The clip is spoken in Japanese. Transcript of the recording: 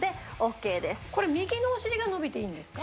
これ右のお尻が伸びていいんですか？